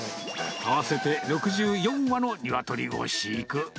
合わせて６４羽のニワトリを飼育。